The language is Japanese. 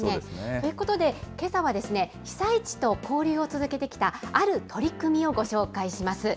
ということで、けさは被災地と交流を続けてきたある取り組みをご紹介します。